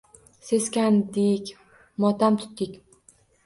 Seskandik, motam tutdik.